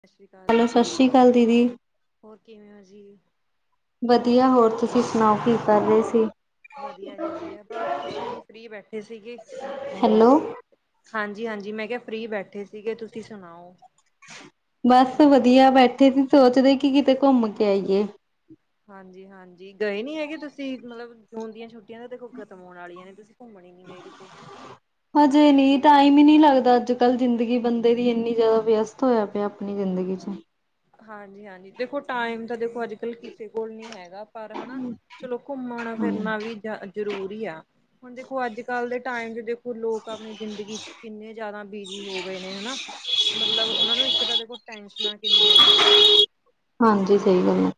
ਸਤਿ ਸ਼੍ਰੀ ਅਕਾਲ ਹੈਲੋ ਸਤਿ ਸ਼੍ਰੀ ਅਕਾਲ ਦੀਦੀ। ਹੋਰ ਕਿਵੇਂ ਹੋ ਜੀ। ਵਧੀਆ ਹੋਰ ਤੁਸੀਂ ਸੁਣਾਓ ਕੀ ਕਰ ਰਹੇ ਸੀ। ਵਧੀਆ ਜੀ ਵਧੀਆ, ਬਸ ਕੁਛ ਨੀ ਫ੍ਰਰੀ ਬੈਠੇ ਸੀਗੇ। ਹੈਲੋ ਹਾਂਜੀ ਹਾਂਜੀ, ਮੈਂ ਕਿਆ ਫ੍ਰਰੀ ਬੈਠੇ ਸੀਗੇ, ਤੁਸੀਂ ਸੁਣਾਓ। ਬਸ ਵਧੀਆ ਬੈਠੇ ਸੀ ਸੋਚਦੇ ਕਿ ਕਿਤੇ ਘੁੰਮ ਕੇ ਆਈਏ। ਹਾਂਜੀ ਹਾਂਜੀ, ਗਏ ਨੀ ਹੈਗੇ ਤੁਸੀਂ ਮਤਲਬ ਜੂਨ ਦੀਆਂ ਛੁੱਟੀਆਂ ਤਾਂ ਦੇਖੋ ਖ਼ਤਮ ਹੋਣ ਵਾਲੀਆਂ ਨੇ ਤੁਸੀਂ ਘੁੰਮਣ ਹੀ ਨੀ ਗਏ ਕਿਤੇ ਹਜੇ ਨਈਂ ਟਾਈਮ ਈ ਨਈਂ ਲੱਗਦਾ, ਅੱਜ-ਕੱਲ ਜ਼ਿੰਦਗੀ ਬੰਦੇ ਦੀ ਇੰਨੀ ਜ਼ਿਆਦਾ ਵਿਅਸਤ ਹੋਇਆ ਪਿਆ ਆਪਣੀ ਜ਼ਿੰਦਗੀ ਚ। ਹਾਂਜੀ ਹਾਂਜੀ, ਦੇਖੋ ਟਾਈਮ ਤਾਂ ਦੇਖੋ ਅੱਜ-ਕੱਲ ਕਿਸੇ ਕੋਲ ਨੀ ਹੈਗਾ। ਪਰ ਹਨਾ, ਚਲੋ ਘੁੰਮਣ ਹਮ ਫਿਰਨਾ ਵੀ ਜ ਜ਼ਰੂਰੀ ਆ। ਹੁਣ ਦੇਖੋ ਅੱਜ-ਕੱਲ੍ਹ ਦੇ ਟਾਈਮ ਚ ਦੇਖੋ ਲੋਕ ਆਪਣੀ ਜ਼ਿੰਦਗੀ ਚ ਕਿੰਨੇ ਜ਼ਿਆਦਾ ਬਿਜੀ ਹੋ ਗਏ ਨੇ ਹਨਾ। ਮਤਲਬ ਉਹਨਾਂ ਨੂੰ ਇੱਕ ਤਾਂ ਦੇਖੋ ਟੈਂਨਸ਼ਨਾਂ ਹਾਂਜੀ ਸਹੀ ਗੱਲ ਐ।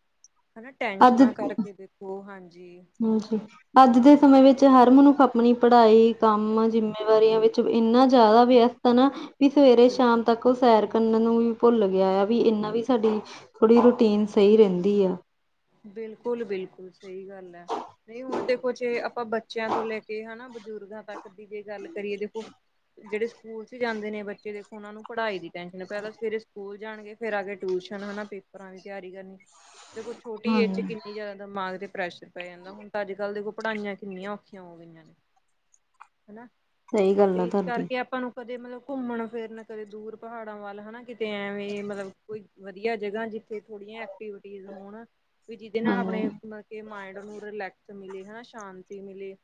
ਹਨਾ ਟੈਨਸ਼ਨਾਂ ਕਰਕੇ ਦੇਖੋ, ਹਾਂਜੀ। ਹਾਂਜੀ। ਅੱਜ ਦੇ ਸਮੇਂ ਵਿੱਚ ਹਰ ਮਨੁੱਖ ਆਪਣੀ ਪੜ੍ਹਾਈ ਕੰਮ ਜਿੰਮੇਵਾਰੀਆਂ ਵਿੱਚ ਇੰਨਾ ਜ਼ਿਆਦਾ ਵਿਅਸ ਤ ਨਾ ਵੀ ਸਵੇਰੇ ਬਿਲਕੁਲ ਸ਼ਾਮ ਤੱਕ ਦੇਖੋ ਸੈਰ ਕਰਨ ਨੂੰ ਵੀ ਭੁੱਲ ਗਿਆ ਆ ਵੀ ਇਹਨਾ ਵੀ ਸਾਡੀ ਥੋੜ੍ਹੀ ਰੂਟੀਨ ਸਹੀ ਰਹਿੰਦੀ ਆ। ਬਿਲਕੁਲ ਬਿਲਕੁਲ। ਸਹੀ ਗੱਲ ਐ, ਨਈਂ ਹੁਣ ਦੇਖੋ ਜੇ ਆਪਾਂ ਬੱਚਿਆਂ ਤੋਂ ਲੈ ਕੇ ਹਨਾ ਬਜ਼ੁਰਗਾਂ ਤੱਕ ਦੀ ਜੇ ਗੱਲ ਕਰੀਏ ਦੇਖੋ ਜਿਹੜੇ ਸਕੂਲ ਚ ਜਾਂਦੇ ਨੇ ਬੱਚੇ ਦੇਖੋ ਉਹਨਾਂ ਨੂੰ ਪੜ੍ਹਾਈ ਦੀ ਟੇਨਸ਼ਨ ਪਹਿਲਾਂ ਸਵੇਰੇ ਸਕੂਲ ਜਾਣਗੇ ਫਿਰ ਆ ਕੇ ਟਊਸ਼ਨ ਹਨਾਂ ਪੇਪਰਾਂ ਦੀ ਤਿਆਰੀ ਕਰਨੀ। ਦੇਖੋ [inaudible] ਛੋਟੀ ਏਜ ਚ ਕਿੰਨੀ ਜ਼ਿਆਦਾ ਦਿਮਾਗ ਤੇ ਪ੍ਰੈਸ਼ਰ ਪੈ ਜਾਂਦਾ ਹੁਣ ਤਾਂ ਅੱਜ-ਕੱਲ ਦੇਖੋ ਪੜ੍ਹਾਈਆਂ ਕਿੰਨੀਆਂ ਔਖੀਆਂ ਹੋ ਗਈਆਂ ਨੇ। ਹਨਾਂ ਸਹੀ ਗੱਲ ਤੇ ਆ ਇਸ ਤੁਹਾਡੀ ਕਰਕੇ ਆਪਾਂ ਨੂੰ ਕਦੇ ਮਤਲਬ ਘੁੰਮਣ-ਫਿਰਨ, ਕਦੇ ਦੂਰ ਪਹਾੜਾਂ ਵੱਲ ਹਨਾਂ ਕਿਤੇ ਐਵੇਂ ਮਤਲਬ ਕੋਈ ਵਧੀਆ ਜਗ੍ਹਾ ਜਿੱਥੇ ਥੋੜੀਆਂ ਐਕਟੀਵਿਟੀਸ ਹੋਣ ਵੀ ਜਿਹਦੇ ਨਾਲ ਆਪਣੇ ਹਾਂਜੀ, ਮਤਲਬ ਕਿ ਮਾਇੰਡ ਨੂੰ ਰਿਲੈਕਸ ਮਿਲੇ, ਹਨਾਂ ਸ਼ਾਂਤੀ ਮਿਲੇ।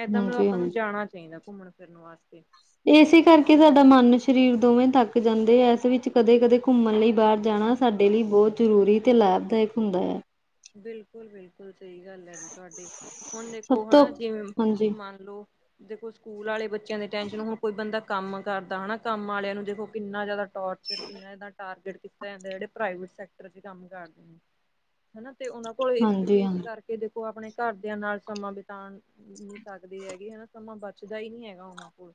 ਏਦਾਂ ਮਤਲਬ ਹਾਂਜੀ ਆਪਾਂ ਨੂੰ ਹਾਂਜੀ। ਜਾਣਾ ਚਾਈਦਾ ਘੁੰਮਣ-ਫਿਰਨ ਵਾਸਤੇ। ਇਸੇ ਕਰਕੇ ਸਾਡਾ ਮਨ ਸਰੀਰ ਦੋਵੇਂ ਤੱਕ ਜਾਂਦੇ ਏ ਇਸ ਵਿੱਚ ਕਦੇ-ਕਦੇ ਘੁੰਮਣ ਲਈ ਬਾਹਰ ਜਾਣਾ। ਸਾਡੇ ਲਈ ਬੋਤ ਜ਼ਰੂਰੀ ਤੇ ਲਾਭਦਾਇਕ ਹੁੰਦਾ ਐ। ਬਿਲਕੁਲ। ਬਿਲਕੁਲ ਬਿਲਕੁਲ ਸਹੀ ਗੱਲ ਐ ਜੀ ਤੁਹਾਡੀ ਹੁਣ ਦੇਖੋ ਸਭ ਤੋਂ ਹਨਾ ਜਿਵੇਂ ਹਾਂਜੀ, ਮੰਨ ਲਓ ਦੇਖੋ ਸਕੂਲ ਵਾਲੇ ਬੱਚਿਆਂ ਦੇ ਟੈਸ਼ਨ ਹੁਣ ਕੋਈ ਬੰਦਾ ਕੰਮ ਕਰਦਾ ਹਨਾ, ਕੰਮ ਵਾਲਿਆਂ ਨੂੰ ਦੇਖੋ ਕਿੰਨਾ ਜ਼ਿਆਦਾ ਟੋਰਚਰ ਕਿਨਾਂ ਜਿਆਦਾ ਟਾਰਗੇਟ ਕੀਤਾ ਜਾਂਦਾ ਜਿਹੜੇ ਪ੍ਰਾਈਵੇਟ ਸੈਕਟਰ ਚ ਕੰਮ ਕਰਦੇ ਨੇ। ਹੈਨਾ ਤੇ ਉਹਨਾਂ ਕੋਲ ਇਸ ਹਾਂਜੀ, ਚੀਜ਼ ਹਾਂਜੀ। ਕਰਕੇ ਦੇਖੋ ਆਪਣੇ ਘਰਦਿਆਂ ਨਾਲ ਸਮਾਂ ਬਿਤਾਣ ਨੀ ਸਕਦੇ ਹੈਗੇ ਹੈਨਾਂ, ਸਮਾਂ ਬਚਦਾ ਈ ਨ੍ਹੀਂ ਹੈਗਾ ਉਹਨਾਂ ਕੋਲ।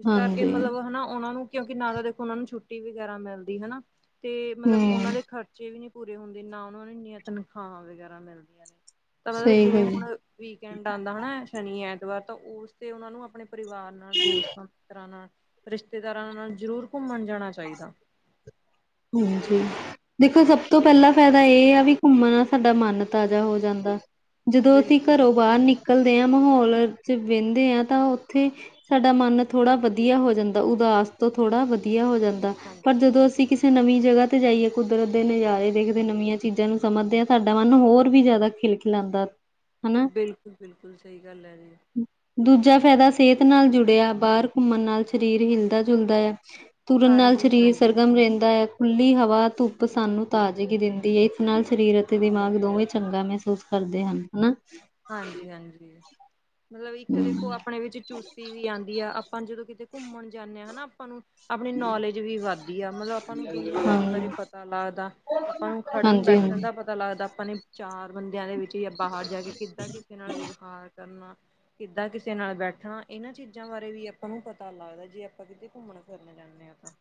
ਇਸ ਕਰਕੇ ਹਾਂਜੀ, ਮਤਲਬ ਉਨਾ ਉਹਨਾਂ ਨੂੰ ਕਿਉਂਕਿ ਨਾ ਤਾਂ ਦੇਖੋ ਉਨਾਂ ਨੂੰ ਛੁੱਟੀ ਵਗੈਰਾ ਮਿਲਦੀ ਹੈ ਨਾ। ਤੇ ਮਤਲਬ ਹੂੰ, ਉਹਨਾਂ ਦੇ ਖਰਚੇ ਵੀ ਨੀ ਪੂਰੇ ਹੁੰਦੇ ਨਾ ਉਹਨਾਂ ਨੀ ਤਨਖਾਹਾਂ ਵਗੈਰਾ ਮਿਲਦੀਆਂ ਨੇ, ਤਾਂ ਮਤਲਬ ਸਹੀ ਜਿਵੇਂ ਗੱਲ। ਹੁਣ ਵੀਕਐਂਡ ਆਉਂਦਾ ਹੈ ਨਾ ਸ਼ਨੀ-ਐਤਵਾਰ ਤਾਂ ਉਸ ਤੇ ਉਹਨਾਂ ਨੂੰ ਆਪਣੇ ਪਰਿਵਾਰ ਨਾਲ ਦੋਸਤਾਂ ਮਿੱਤਰਾਂ ਨਾਲ ਰਿਸ਼ਤੇਦਾਰਾਂ ਨਾਲ ਜ਼ਰੂਰ ਘੁੰਮਣ ਜਾਣਾ ਚਾਹੀਦਾ। ਹਾਂਜੀ, ਦੇਖੋ ਹਾਂਜੀ ਸਭ ਤੋਂ ਪਹਿਲਾਂ ਫਾਇਦਾ ਇਹ ਆ ਵੀ ਘੁੰਮਣ ਦਾ ਸਾਡਾ ਮਨ ਤਾਜ਼ਾ ਹੋ ਜਾਂਦਾ, ਜਦੋਂ ਅਸੀਂ ਬਿਲਕੁਲ ਘਰੋਂ ਬਾਹਰ ਨਿਕਲ ਨਿਕਲਦੇ ਆ ਮਾਹੌਲ ਚ ਵਹਿੰਦੇ ਆ ਤਾਂ ਉੱਥੇ ਸਾਡਾ ਮਨ ਥੋੜਾ ਵਧੀਆ ਹੋ ਜਾਂਦਾ ਉਦਾਸ ਤੋਂ ਥੋੜ੍ਹਾ ਵਧੀਆ ਹੋ ਜਾਂਦਾ, ਪਰ ਹਾਂਜੀ ਜਦੋਂ ਅਸੀਂ ਕਿਸੇ ਨਵੀਂ ਜਗ੍ਹਾ ਤੇ ਜਾਈਏ ਕੁਦਰਤ ਦੇ ਨਜ਼ਾਰੇ ਦੇਖਦੇ ਨਵੀਆਂ ਚੀਜ਼ਾਂ ਨੂੰ ਸਮਝਦੇ ਹਾਂ ਸਾਡਾ ਮਨ ਹੋਰ ਵੀ ਜ਼ਿਆਦਾ ਖਿਲ ਲ ਜਾਦਾ। ਬਿਲਕੁਲ-ਬਿਲਕੁਲ ਸਹੀ ਗੱਲ ਹੈ ਜੀ। ਦੂਜਾ ਫਾਇਦਾ ਸਿਹਤ ਨਾਲ ਜੁੜਿਆ ਬਾਹਰ ਘੁੰਮਣ ਨਾਲ ਸਰੀਰ ਹਿਲਦਾ ਜੁਲਦਾ ਆ ਤੁਰਨ ਨਾਲ ਸਰੀਰ ਹਾਂਜੀ-ਹਾਂਜੀ, ਸਰਗਮ ਰਹਿੰਦਾ ਐ, ਖੁੱਲੀ ਹਵਾ, ਧੁੱਪ ਸਾਨੂੰ ਬਿਲਕੁਲ ਤਾਜ਼ਗੀ ਦਿੰਦੀ ਏ ਨਾਲ ਸਰੀਰ ਅਤੇ ਦਿਮਾਗ ਦੋਵੇਂ ਚੰਗਾ ਮਹਿਸੂਸ ਕਰਦੇ ਹਨ ਹੈਨ। ਹਾਂਜੀ-ਹਾਂਜੀ, ਮਤਲਬ ਇੱਕ ਦੇਖੋ ਹਮ, ਆਪਣੇ ਵਿੱਚ ਚੁਸਤੀ ਵੀ ਆਉਂਦੀ ਆ ਆਪ ਹਨ ਜੀ ਜਦੋਂ ਕਿਤੇ ਘੁੰਮਣ ਜਾਂਦੇ ਹਾਂ ਹੈਨਾ ਆਪਾਂ ਨੂੰ ਆਪਣੀ ਨੌਲੇਜ ਵੀ ਵੱਧਦੀ ਆ ਮਤਲਬ ਆਪਾਂ ਨੂੰ ਦੁਨੀਆਂਦਾਰੀ ਬਾਰੇ ਹਾਂਜੀ ਪਤਾ ਲੱਗਦਾ। ਆਪਾਂ ਨੂੰ ਖੜਨ ਹਾਂਜੀ ਬੈਠਣ ਹਾਂਜੀ ਦਾ ਪਤਾ ਲੱਗਦਾ ਆਪਾਂ ਨੇ ਚਾਰ ਬੰਦਿਆਂ ਦੇ ਵਿੱਚ ਜਾਂ ਬਾਹਰ ਜਾ ਕੇ ਕਿੱਦਾਂ ਕਿਸ ਨਾਲ ਵਿਵਹਾਰ ਕਰਨਾ ਕਿੱਦਾਂ ਕਿਸੇ ਨਾਲ ਬੈਠਣਾ ਇਹਨਾਂ ਚੀਜ਼ਾਂ ਬਾਰੇ ਵੀ ਆਪਾਂ ਨੂੰ ਪਤਾ ਲੱਗਦਾ ਜੇ ਆਪਾਂ ਕਿਤੇ ਘੁੰਮਣ ਫਿਰਨ ਜਾਂਦੇ। ਆ ਤਾ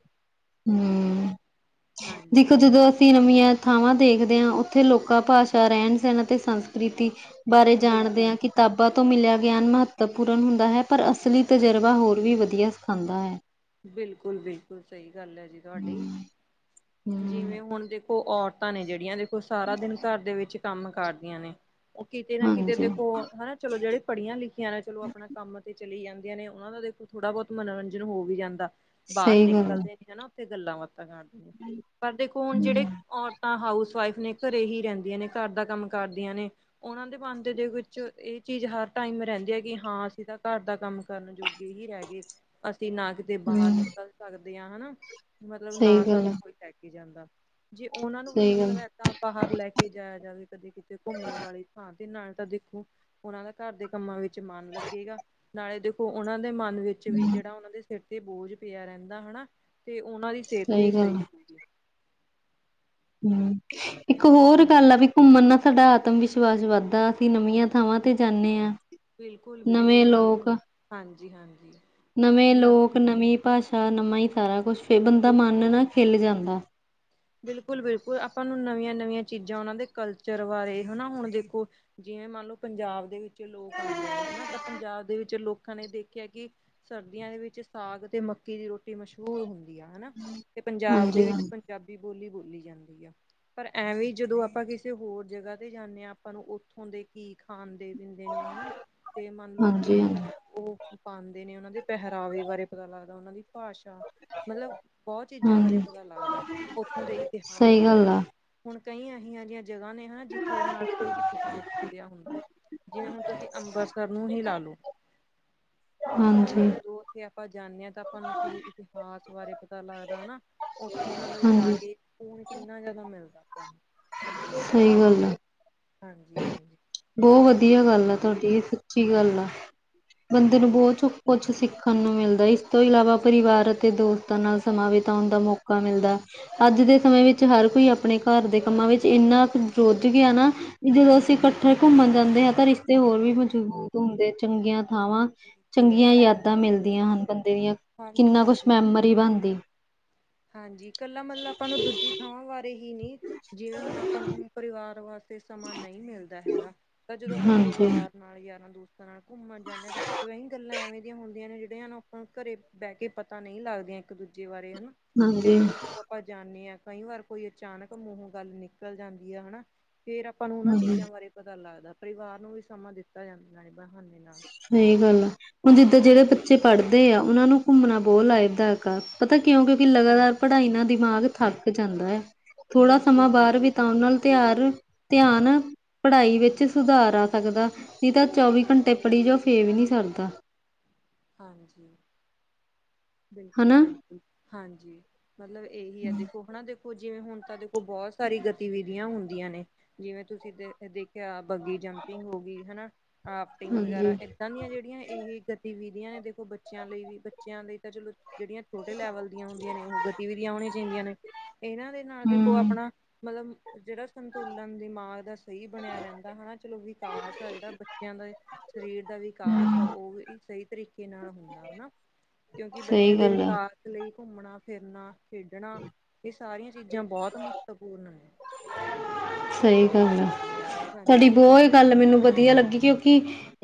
ਹੂੰ, ਦੇਖੋ ਜਦੋਂ ਹਾਂਜੀ-ਹਾਂਜੀ, ਆ ਨਵੀਆਂ ਥਾਵਾਂ ਦੇਖਦੇ ਆ ਉੱਥੇ ਲੋਕਾਂ ਭਾਸ਼ਾ ਰਹਿਣ- ਸਹਿਣ ਅਤੇ ਸੰਸਕ੍ਰਿਤੀ ਬਾਰੇ ਜਾਣਦੇ ਬਿਲਕੁਲ ਆ ਕਿਤਾਬਾਂ ਤੋਂ ਮਿਲਿਆ ਗਿਆਨ ਮਹੱਤਵਪੂਰਨ ਹੁੰਦਾ ਹੈ ਪਰ ਅਸਲੀ ਹਾਂਜੀ, ਤਜਰਬਾ ਹੋਰ ਵੀ ਵਧੀਆ ਸਿਖਾਉਂਦਾ ਐ। ਬਿਲਕੁਲ-ਬਿਲਕੁਲ ਸਹੀ ਗੱਲ ਹੈ ਜੀ ਤੁਹਾਡੀ। [inaudible] ਹਮ ਜਿਵੇਂ ਹੁਣ ਦੇਖੋ ਔਰਤਾਂ ਨੇ ਜਿਹੜੀਆਂ ਦੇਖੋ ਸਾਰਾ ਦਿਨ ਘਰ ਦੇ ਵਿੱਚ ਕੰਮ ਕਰਦੀਆਂ ਨੇ। ਉਹ ਕਿਤੇ ਨਾ ਕਿਤੇ ਹਾਂਜੀ ਦੇਖੋ ਹੈਨਾ ਚਲੋ ਜਿਹੜੇ ਪੜ੍ਹੀਆਂ ਲਿਖੀਆਂ ਨੇ ਚਲੋ ਆਪਣਾ ਕੰਮ ਤੇ ਚਲੀ ਜਾਂਦੀਆਂ ਨੇ ਉਹਨਾਂ ਦਾ ਦੇਖੋ ਥੋੜ੍ਹਾ ਬਹੁਤ ਮਨੋਰੰਜਨ ਹੋ ਵੀ ਜਾਂਦਾ। ਬਾਹਰ ਸਹੀ ਗੱਲ ਆ ਨਿਕਲਦੇ ਨੇ ਹੈਨਾ ਉੱਥੇ ਗੱਲਾਂ ਬਾਤਾਂ ਕਰਦੇ ਨੇ ਪਰ ਦੇਖੋ ਹੁਣ ਜਿਹੜੇ ਹੂੰ ਔਰਤਾਂ ਹਾਊਸ ਵਈਫ ਨੇ ਘਰੇ ਹੀ ਰਹਿੰਦੀਆਂ ਨੇ ਘਰ ਦਾ ਕੰਮ ਕਰਦੀਆਂ ਨੇ ਉਹਨਾਂ ਦੇ ਮਨ ਦੇ ਵਿੱਚ ਇਹ ਚੀਜ਼ ਹਰ ਟਾਈਮ ਰਹਿੰਦੀ ਹੈ ਕਿ ਹਾਂ ਅਸੀਂ ਤਾਂ ਘਰ ਦਾ ਕੰਮ ਕਰਨ ਜੋਗੇ ਹੀ ਰਹਿ ਗਏ, ਅਸੀਂ ਨਾ ਕਿ ਦੇ ਬਾਹਰ ਹੂੰ ਨਿਕਲ ਸਕਦੇ ਆ ਹੈਨਾ, ਮਤਲਬ ਸਹੀ ਨਾ ਗੱਲ ਆ ਸਾਨੂੰ ਕੋਈ ਲੈਕੇ ਜਾਂਦਾ। ਜੇ ਉਹਨਾਂ ਨੂੰ ਵੀ ਸਹੀ ਗੱਲ ਮਤਲਬ ਇੱਦਾਂ ਬਾਹਰ ਲੈ ਕੇ ਜਾਇਆ ਜਾਵੇ ਕਦੇ ਕਿਤੇ ਘੁੰਮਣ ਵਾਲੀ ਹਾਂ ਤੇ ਨਾਲ ਤਾਂ ਦੇਖੋ ਉਹਨਾਂ ਦਾ ਘਰ ਦੇ ਕੰਮਾਂ ਵਿੱਚ ਮਨ ਲੱਗੇਗਾ। ਨਾਲੇ ਦੇਖੋ ਉਹਨਾਂ ਦੇ ਮਨ ਵਿੱਚ ਵੀ ਜਿਹੜਾ ਉਹਨਾਂ ਦੇ ਸਿਰ ਤੇ ਬੋਝ ਪਿਆ ਰਹਿੰਦਾ ਹੈਨਾ। ਤੇ ਉਹਨਾਂ ਦੀ ਸਿਹਤ ਵੀ ਗੱਲ ਸਹੀ ਆ ਹੁੰਦੀ ਹੈ। ਹੂੰ, ਇੱਕ ਹੋਰ ਹਾਂਜੀ ਗੱਲ ਆ ਵੀ ਘੁੰਮਣ ਨਾਲ ਸਾਡਾ ਆਤਮ ਵਿਸ਼ਵਾਸ ਵੱਧਦਾ ਅਸੀਂ ਨਵੀਆਂ ਥਾਵਾਂ ਤੇ ਜਾਂਦੇ ਆ। ਬਿਲਕੁਲ-ਬਿਲਕੁਲ ਨਵੀਂ, ਹਾਂਜੀ-ਹਾਂਜੀ। ਨਵੇਂ ਲੋਕ ਨਵੀਂ ਭਾਸ਼ਾ ਨਵਾਂ ਹੀ ਸਾਰਾ ਕੁਛ ਫੇ ਬੰਦਾ ਬਿਲਕੁਲ ਮਨ ਨਾ ਬਿਲਕੁਲ ਖਿਲ ਜਾਂਦਾ। ਬਿਲਕੁਲ-ਬਿਲਕੁਲ ਆਪਾਂ ਨੂੰ ਨਵੀਆਂ- ਨਵੀਆਂ ਚੀਜ਼ਾਂ ਉਹਨਾਂ ਦੇ ਕਲਚਰ ਬਾਰੇ ਹੈਨਾ ਹੁਣ ਦੇਖੋ ਜਿਵੇਂ ਮੰਨ ਲਓ ਪੰਜਾਬ ਦੇ ਵਿੱਚ ਲੋਕ ਆਂਦੇ ਨੇ ਹਨਾ ਤਾਂ ਪੰਜਾਬ ਦੇ ਵਿੱਚ ਲੋਕ ਅੱਖਾਂ ਨੇ ਦੇਖਿਆ ਕਿ ਸਰਦੀਆਂ ਦੇ ਵਿੱਚ ਸਾਗ ਤੇ ਮੱਕੀ ਦੀ ਰੋਟੀ ਮਸ਼ਹੂਰ ਹੁੰਦੀ ਆ ਹੈਨਾ ਤੇ ਪੰਜਾਬ ਦੇ ਹਾਂਜੀ ਹਾਂਜੀ ਵਿੱਚ ਪੰਜਾਬੀ ਬੋਲੀ-ਬੋਲੀ ਜਾਂਦੀ ਆ ਪਰ ਐਵੇਂ ਜਦੋਂ ਆਪਾਂ ਕਿਸੇ ਹੋਰ ਜਗ੍ਹਾ ਤੇ ਜਾਂਦੇ ਹਾਂ ਆਪਾਂ ਨੂੰ ਉੱਥੋਂ ਦੇ ਕੀ ਖਾਣ ਦੇ। ਦਿੰਦੇ ਨੇ ਹਨਾ ਤੇ ਮੰਨ ਲਓ ਹਾਂਜੀ ਕਿ ਹਾਂਜੀ ਮਤਲਬ ਉਹ ਪਾਂਦੇ ਨੇ ਉਹਨਾਂ ਦੇ ਪਹਿਰਾਵੇ ਬਾਰੇ ਪਤਾ ਲੱਗਦਾ ਉਹਨਾਂ ਦੀ ਭਾਸ਼ਾ। ਮਤਲਬ ਬੋਤ ਚੀਜ਼ਾਂ ਬਾਰੇ ਹਾਂਜੀ ਪਤਾ ਲੱਗਦਾ ਉੱਥੋਂ ਦੇ ਇਤਿਹਾਸ ਸਹੀ ਗੱਲ ਬਾਰੇ। ਆ ਹੁਣ ਕਈ ਇਹੀਆਂ ਜਿਹੀਆਂ ਜਗ੍ਹਾ ਨੇ ਹੈ ਜਿੱਥੇ ਨਾਲ ਕੋਈ ਇਤਿਹਾਸ ਜੁੜਿਆ ਹੁੰਦਾ। ਜਿਵੇਂ ਹੁਣ ਤੁਸੀਂ ਅੰਬਰਸਰ ਨੂੰ ਹੀ ਲਾ ਲਓ ਮਤਲਬ ਹਾਂਜੀ ਜਦੋਂ ਜੇ ਆਪਾਂ ਜਾਂਦੇ ਹਾਂ ਤਾਂ ਆਪਾਂ ਨੂੰ ਉੱਥੇ ਦੇ ਇਤਿਹਾਸ ਬਾਰੇ ਪਤਾ ਲੱਗਦਾ ਹਨਾ ਉੱਥੋਂ ਮਤਲਬ ਜਾ ਹਾਂਜੀ ਕੇ ਸ ਕੂਨ ਕਿੰਨਾ ਜ਼ਿਆਦਾ ਮਿਲਦਾ ਆਪਾਂ ਨੂੰ ਸਹੀ ਗੱਲ ਆ। ਹਾਂਜੀ, ਹਾਂਜੀ। ਬੋਤ ਵਧੀਆ ਗੱਲ ਆ ਤੁਹਾਡੀ। ਇਹ ਸੱਚੀ ਗੱਲ ਆ ਬੰਦੇ ਨੂੰ ਹਾਂਜੀ ਬੋਤ ਸਕੂ ਕੁਛ ਸਿੱਖਣ ਨੂੰ ਮਿਲਦਾ ਇਸ ਤੋਂ ਇਲਾਵਾ ਪਰਿਵਾਰ ਅਤੇ ਦੋਸਤਾਂ ਨਾਲ ਸਮਾਂ ਬਿਤਾਣ ਦਾ ਮੌਕਾ ਮਿਲਦਾ। ਅੱਜ ਦੇ ਸਮੇਂ ਵਿੱਚ ਹਰ ਕੋਈ ਆਪਣੇ ਘਰ ਦੇ ਕੰਮਾਂ ਵਿੱਚ ਇੰਨਾ ਕੁ ਰੁੱਝ ਗਿਆ ਨਾ ਵੀ ਜਦੋਂ ਅਸੀਂ ਜਦੋਂ ਘੁੰਮਣ ਜਾਂਦੇ ਆ ਤਾਂ ਰਿਸ਼ਤੇ ਹੋਰ ਵੀ ਮਜਬੂਤ ਹੁੰਦੇ ਚੰਗੀਆਂ ਥਾਵਾਂ ਬਿਲ ਚੰਗੀਆਂ ਯਾਦਾ ਤਾਂ ਮਿਲਦੀਆਂ ਹਨ ਬੰਦੇ ਦੀਆਂ ਕਿੰਨਾ ਕੁਛ ਹਾਂਜੀ-ਹਾਂਜੀ ਮੈਮੋਰੀ ਬਣਦੀ। ਹਾਂਜੀ ਇਕੱਲਾ ਮਤਲਬ ਆਪਾਂ ਨੂੰ ਦੂਜੀ ਥਾਵਾਂ ਬਾਰੇ ਹੀ ਨੀ ਜਿਵੇਂ ਹੁਣ ਆਪਾਂ ਨੂੰ ਪਰਿਵਾਰ ਵਾਸਤੇ ਤੇ ਸਮਾਂ ਨਹੀਂ ਮਿਲਦਾ ਹੈਗਾ ਤਾਂ ਜਦੋਂ ਆਪਾਂ ਹਾਂਜੀ ਪਰਿਵਾਰ ਨਾਲ ਯਾਰਾਂ ਦੋਸ ਨਾਲ ਘੁੰਮਣ ਜਾਂਦੇ ਹਾਂ ਤਾਂ ਵਹੀ ਗੱਲਾਂ ਐਵੇਂ ਦੀਆਂ ਹੁੰਦੀਆਂ ਨੇ ਜੇੜੀਆਂ ਨੂੰ ਘਰੇ ਬੈ ਕੇ ਪਤਾ ਨਹੀਂ ਲੱਗਦੀਆਂ ਇੱਕ ਦੂਜੇ ਬਾਰੇ ਹਨਾ ਤੇ ਹਾਂਜੀ ਮਤਲਬ ਜਦੋਂ ਆਪਾਂ ਜਾਂਦੇ ਹਾਂ। ਕਈ ਵਾਰ ਕੋਈ ਅਚਾਨਕ ਮੂੰਹੋ ਗੱਲ ਨਿਕਲ ਜਾਂਦੀ ਆ ਹਨਾ ਫੇਰ ਆਪਾਂ ਨੂੰ ਉਹਨਾਂ ਹਾਂਜੀ ਚੀਜ਼ਾਂ ਬਾਰੇ ਪਤਾ ਲੱਗਦਾ ਪਰਿਵਾਰ ਨੂੰ ਵੀ ਸਮਾਂ ਦਿੱਤਾ ਜਾਂਦਾ ਬਹਾਨੇ ਨਾਲ। ਸਹੀ ਗੱਲ ਆ। ਹੁਣ ਜਿੱਦਾਂ ਜੇੜੇ ਬੱਚੇ ਪੜ੍ਹਦੇ ਆ ਉਹਨਾਂ ਨੂੰ ਘੁੰਮਣਾ ਬੋਤ ਲਾਬਦਾਏਕ ਆ ਹੈ ਪਤਾ ਕਿਉਂ? ਕਿਉਕਿ ਲਗਾਤਾਰ ਹਾਂਜੀ ਪੜ੍ਹਾਈ ਨਾਲ ਦਿਮਾਗ ਥੱਕ ਜਾਂਦਾ ਏ। ਥੋੜਾ ਸਮਾਂ ਬਿਲਕੁਲ ਬਾਰ ਬਿਲਕੁਲ ਬਿਤਾਣ ਨਾਲ ਤਿਆਰ ਧਿਆਨ ਪੜ੍ਹਾਈ ਵਿੱਚ ਸੁਧਾਰ ਆ ਸਕਦਾ। ਨਹੀਂ ਤਾਂ ਚੌਵੀ ਘੰਟੇ ਕੜੀ ਜੋ ਫੇ ਵੀ ਨਹੀਂ ਸਰਦਾ। ਹਾਂਜੀ। ਬਿਲਕੁਲ, ਹਨਾ ਬਿਲਕੁਲ। ਹਾਂਜੀ। ਮਤਲਬ ਇਹੀ ਹੈ ਦੇਖੋ ਹਨ ਨਾ ਦੇਖੋ। ਜਿਵੇਂ ਹੁਣ ਤਾਂ ਦੇਖੋ ਬੋਤ ਸਾਰੀ ਗਤੀਵਿਧੀਆਂ ਹੁੰਦੀਆਂ ਨੇ। ਜਿਵੇਂ ਤੁਸੀਂ ਦੇ ਦੇਖਿਆ ਬੱਗੀ ਜੰਪਿੰਗ ਹੋ ਗਈ ਹਨਾ। ਆਫਟਿੰਗ ਵਗੈਰਾ ਹਾਂਜੀ ਇੱਦਾਂ ਦੀਆਂ ਜੇੜੀਆਂ ਇਹ ਗਤੀਵਿਧੀਆਂ ਨੇ ਦੇਖੋ ਬੱਚਿਆਂ ਲਈ ਵੀ ਬੱਚਿਆਂ ਦੇ ਚਲੋ। ਜਿਹੜੀਆਂ ਛੋਟੇ ਲੈਵਲ ਦੀਆਂ ਹੁੰਦੀਆਂ ਨੇ ਉਹ ਗਤੀਵਿਧੀਆਂ ਹੋਣੀਆਂ ਚਾਹੀਦੀਆਂ ਨੇ ਇਹਨਾਂ ਦੇ ਨਾਲ ਦੇਖੋ ਹੂੰ ਆਪਣਾ ਮਤਲਬ ਜੇੜਾ ਸੰਤੁਲਨ ਦਿਮਾਗ ਦਾ ਸਹੀ ਬਣਿਆ ਰੈਂਦਾ ਹਨਾ ਚਲੋ ਵਿਕਾਸ ਆ ਜੇੜਾ ਬੱਚਿਆਂ ਦਾ। ਸਰੀਰ ਦਾ ਵਿਕਾਸ ਆ ਹੂੰ ਉਹ ਵੀ ਸਹੀ ਤਰੀਕੇ ਨਾਲ ਹੁੰਦਾ ਹਨਾ। ਕਿਉਂਕਿ ਬੱਚਿਆਂ ਸਹੀ ਦੇ ਗੱਲ ਆ ਵਿਕਾਸ ਲਈ ਘੁੰਮਣਾ ਫਿਰਨਾ ਖੇਡਣਾ ਇਹ ਸਾਰੀਆਂ ਚੀਜ਼ਾਂ ਚੀਜ਼ਾਂ ਬੋਤ ਮਹੱਤਵਪੂਰਨ ਨੇ। ਸਹੀ ਗੱਲ ਆ ਤਾਡੀ ਹਾਂਜੀ ਹਾਂਜੀ ਬੋਤ ਗੱਲ ਮੈਨੂੰ ਵਧੀਆ ਲੱਗੀ ਕਿਉਂਕਿ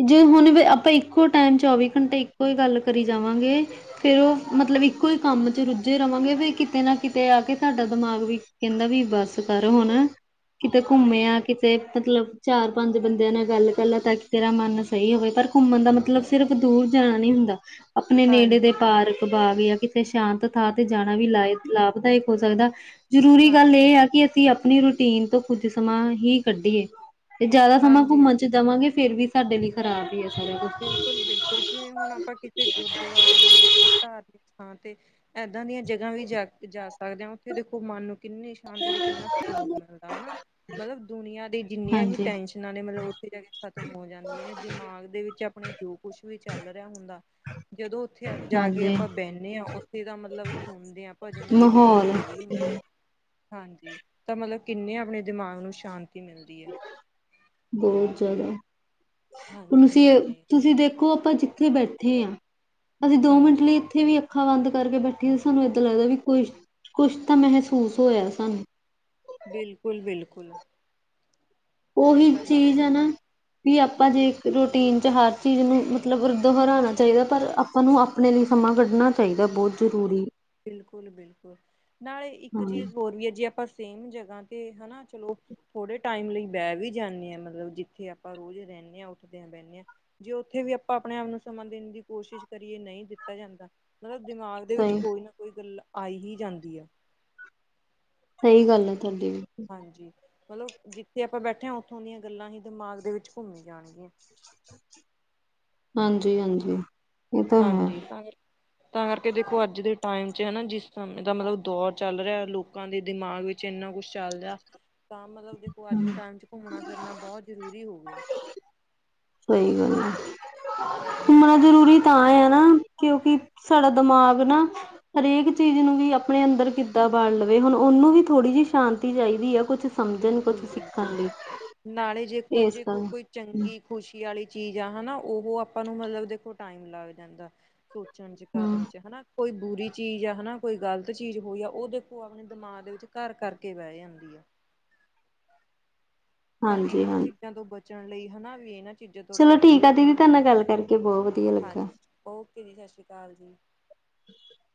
ਜੇ ਹੁਣ ਆਪਾਂ ਇੱਕੋ ਟਾਈਮ ਚੌਵੀ ਘੰਟੇ ਇੱਕੋ ਹੀ ਗੱਲ ਕਰੀ ਜਾਵਾਂਗੇ। ਫੇਿਰ ਉਹ ਮਤਲਬ ਇੱਕੋ ਹੀ ਬਿਲਕੁਲ ਕੰਮ ਚ ਰੁੱਝੇ ਰਹਾਂਗੇ ਫਿਰ ਕਿਤੇ ਨਾ ਕਿਤੇ ਆ ਕੇ- ਤੁਡਾ ਦਿਮਾਗ ਵੀ ਕਹਿੰਦਾ ਵੀ ਬਸ ਕਰ ਹੁਣ, ਕਿਤੇ ਘੁੰਮੇ ਹਾਂਜੀ ਆ ਕਿ ਤੇ ਮਤਲਬ ਚਾਰ- ਪੰਜ ਬੰਦਿਆਂ ਨਾਲ ਗੱਲ ਕਰ ਲੈ ਤਾਂ ਤੇਰਾ ਮਨ ਸਹੀ ਹੋਵੇ ਪਰ ਘੁੰਮਣ ਦਾ ਮਤਲ ਮਤਲਬ ਸਹੀ ਸਿਰਫ਼ ਗੱਲ ਦੂਰ ਜਾਣਾ ਨੀ ਹੁੰਦਾ। ਆਪਣੇ ਨੇੜੇ ਦੇ ਹਾਂਜੀ ਪਾਰਕ, ਬਾਗ ਜਾਂ ਤੇ ਸ਼ਾਂਤ ਥਾਂ ਤੇ ਜਾਣਾ ਵੀ ਬਿਲਕੁਲ ਲਾ ਲਾਭਦਾਇਕ ਹੋ ਸਕਦਾ। ਜਰੂਰੀ ਹਾਂਜੀ ਗੱਲ ਇਹ ਹੈ ਕਿ ਅਸੀਂ ਆਪਣੀ ਰੂਟੀਨ ਤੋਂ ਕੁੱਝ ਸਮਾਂ ਹੀ ਕੱਢੀਏ। ਤੇ ਜ਼ਿਆਦਾ ਸਮਾਂ ਹਾਂਜੀ ਹਾਂਜੀ ਘੁੰਮਣ ਚ' ਦੇਵਾਂਗੇ, ਫੇਰ ਵੀ ਸਾਡੇ ਲਈ ਖਰਾਬ ਹੀ ਆ। ਬਿਲਕੁਲ- ਬਿਲਕੁਲ। ਜਿਵੇਂ ਹੁਣ ਆਪਾਂ ਕਿਸੇ ਗੁਰਦੁਆਰੇ ਯਾ ਕਿਸੇ ਧਾਰਮਿਕ ਥਾਂ ਤੇ ਇਏਦਾਂ ਦੀਆਂ ਜਗ੍ਹਾ ਵੀ ਜਾ- ਜਾ ਸਕਦੇ ਹਾਂ ਉੱਥੇ ਦੇਖੋ ਮਨ ਕਿੰਨੀ ਸ਼ਾਂਤੀ ਤੇ ਕਿੰਨਾ ਸਕੂਨ ਮਿਲਦਾ ਹਨਾ। ਮਤਲਬ ਦੁਨੀਆਂ ਦੇ ਜਿੰਨੀਆਂ ਵੀ ਹਾਂਜੀ, ਟੈਨਸ਼ਨਾਂ ਨੇ ਮਤਲਬ ਉੱਥੇ ਜਾ ਕੇ ਖ਼ਤਮ ਹੋ ਜਾਂਦੀਆਂ ਨੇ ਦਿਮਾਗ ਦੇ ਵਿੱਚ ਆਪਣੇ ਜੋ ਕੁਛ ਵੀ ਚੱਲ ਰਿਹਾ ਹੁੰਦਾ। ਜਦੋਂ ਉੱਥੇ ਜਾ ਕੇ ਹਾਂਜੀ ਆਪਾਂ ਬਹਿੰਦੇ ਹਾਂ ਉੱਥੇ ਦਾ ਮਤਲਬ ਸੁਣਦੇ ਹਾਂ, ਭਜਨ, ਕੀਰਤਨ ਮਾਹੌਲ ਜੋ ਵੀ ਹੁੰਦਾ। ਹਾਂਜੀ। ਤਾਂ ਮਤਲਬ ਕਿੰਨੇ ਆਪਣੇ ਦਿਮਾਗ ਨੂੰ ਸ਼ਾਂਤੀ ਮਿਲਦੀ ਹੈ। ਬਹੁਤ ਜ਼ਿਆਦਾ। ਹੁਣ ਤੁਸੀਂ ਹਾਂਜੀ-ਹਾਂਜੀ, ਤੁਸੀਂ ਦੇਖੋ ਆਪਾਂ ਜ ਉੱਥੇ ਬੈਠੇ ਹਾਂ। ਅਸੀਂ ਦੋ ਮਿੰਟ ਹਾਂਜੀ ਲਈ ਉੱਥੇ ਵੀ ਅੱਖਾਂ ਬੰਦ ਕਰਕੇ ਬੈਠੀ ਤੇ ਸਾਨੂੰ ਏਦਾਂ ਲੱਗਦਾ ਵੀ ਕੁਛ- ਕੁਛ ਤਾਂ ਮਹਿਸੂਸ ਹੋਇਆ ਸਾਨੂੰ। ਬਿਲਕੁਲ- ਬਿਲਕੁਲ। ਉਹੀ ਚੀਜ਼ ਹੈ ਨਾ। ਵੀ ਆਪਾਂ ਜੇ ਰੂਟੀਨ ਚ' ਹਰ ਚੀਜ਼ ਨੂੰ ਮਤਲਬ ਦੁਹਰਾਉਣਾ ਚਾਹੀਦਾ। ਪਰ ਸਾਨੂੰ ਆਪਣੇ ਲਈ ਸਮਾਂ ਕੱਢਣਾ ਚਾਹੀਦਾ ਬਹੁਤ ਜ਼ਰੂਰੀ। ਬਿਲਕੁਲ- ਬਿਲਕੁਲ। ਨਾਲੇ ਇੱਕ ਹਾਂ ਚੀਜ਼ ਹੋਰ ਵੀ ਹੈ ਜੇ ਆਪਾਂ ਸੇਮ ਜਗ੍ਹਾ ਤੇ ਹਨਾ। ਚਲੋ ਥੋੜ੍ਹੇ ਟਾਈਮ ਲਈ ਬਹਿ ਵੀ ਜਾਂਦੇ ਆਂ ਮਤਲਬ ਜਿੱਥੇ ਆਪਾਂ ਰੋਜ਼ ਰਹਿੰਦੇ ਹਾਂ ਉੱਠਦੇ ਹਾਂ, ਬਹਿੰਦੇ ਹਾਂ। ਜੇ ਉੱਥੇ ਵੀ ਆਪਾਂ ਆਪਣੇ ਆਪ ਨੂੰ ਸਮਾਂ ਦੇਣ ਦੀ ਕੋਸ਼ਿਸ਼ ਕਰੀਏ ਨਹੀਂ ਦਿੱਤਾ ਜਾਂਦਾ। ਮਤਲਬ ਦਿਮਾਗ ਦੇ ਵਿੱਚ ਸਹੀ ਕੋਈ ਨਾ ਕੋਈ ਗੱਲ ਆਈ ਹੀ ਜਾਂਦੀ ਆ। ਸਹੀ ਗੱਲ ਹੈ ਤੁਹਾਡੀ ਵੀ। ਹਾਂਜੀ। ਮਤਲਬ ਜਿੱਥੇ ਆਪਾਂ ਬੈਠੇ ਹਾਂ ਉੱਥੋਂ ਦੀਆਂ ਗੱਲਾਂ ਹੀ ਦਿਮਾਗ ਦੇ ਵਿੱਚ ਘੁੰਮੀ ਜਾਣਗੀਆਂ। ਹਾਂਜੀ- ਹਾਂਜੀ। ਇਹ ਤਾਂ ਹੈ ਹਾਂਜੀ। ਤਾਂ ਤਾਂ ਕਰਕੇ ਦੇਖੋ ਅੱਜ ਦੇ ਟਾਈਮ ਚ' ਹਨਾ ਜਿਸ ਸਮੇਂ ਦਾ ਮਤਲਬ ਦੌਰ ਚੱਲ ਰਿਹਾ ਲੋਕਾਂ ਦੇ ਦਿਮਾਗ ਵਿੱਚ ਇੰਨਾ ਕੁਛ ਚੱਲਦਾ। ਤਾਂ ਮਤਲਬ ਦੇਖੋ ਅੱਜ ਦੇ ਟਾਈਮ ਚ' ਘੁੰਮਣਾ- ਫਿਰਨਾ ਬਹੁਤ ਜ਼ਰੂਰੀ ਹੋ ਗਿਆ। ਸਹੀ ਗੱਲ। ਹਾਂਜੀ ਮ ਜ਼ਰੂਰੀ ਤਾਂ ਹੈ ਨਾ, ਕਿਉਂਕਿ ਸਾਡਾ ਦਿਮਾਗ ਨਾ। ਹਰੇਕ ਚੀਜ਼ ਨੂੰ ਵੀ ਆਪਣੇ ਅੰਦਰ ਕਿੱਦਾਂ ਬਣ ਲਵੇ ਹੁਣ ਉਹਨੂੰ ਵੀ ਥੋੜ੍ਹੀ ਜਿਹੀ ਸ਼ਾਂਤੀ ਚਾਹੀਦੀ ਹੈ ਕੁਛ। ਸਮਝਣ ਕੁਛ ਬਿਲਕੁਲ- ਸਿੱਖਣ ਬਿਲਕੁਲ। ਲਈ ਨਾਲੇ ਜੇ ਕੋੋ ਇਸ ਜੇ ਕੋਈ ਕੋਈ ਕਰਕੇ ਚੰਗੀ ਖੁਸ਼ੀ ਵਾਲੀ ਚੀਜ਼ ਆ ਹਨਾ। ਉਹ ਆਪਾਂ ਨੂੰ ਮਤਲਬ ਦੇਖੋ ਟਾਈਮ ਲੱਗ ਜਾਂਦਾ। ਸੋਚਣ ਚ' ਹਮ ਕਰਨ ਚ' ਹਨਾ ਕੋਈ ਬੁਰੀ ਚੀਜ਼ ਆ ਹਨਾ। ਕੋਈ ਗ਼ਲਤ ਚੀਜ਼ ਹੋਈ ਆ ਉਹ ਦੇਖੋ ਆਪਣੇ ਦਿਮਾਗ ਦੇ ਵਿੱਚ ਘਰ ਕਰਕੇ ਬਹਿ ਜਾਂਦੀ ਆ। ਤਾਂ ਹਾਂਜੀ ਇਹਨਾਂ ਹਾਂਜੀ ਚੀਜ਼ਾਂ ਤੋਂ ਬਚਣ ਲਈ ਹਨਾ ਵੀ ਇਹਨਾਂ ਚੀਜ਼ਾਂ ਤੋਂ ਚਲੋ ਆਪਾਂ ਠੀਕ ਆ ਦੂਰ ਦੀਦੀ ਰਹੀਏ ਤੁਹਾਡੇ ਨਾਲ ਗੱਲ ਕਰਕੇ ਬਹੁਤ ਵਧੀਆ ਹਾਂਜੀ ਲੱਗਾ। ਓਕੇ ਜੀ ਸਤਿ ਸ਼੍ਰੀ ਅਕਾਲ ਜੀ। ਹ [inaudible]